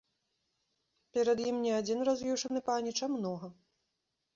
Перад ім не адзін раз'юшаны паніч, а многа.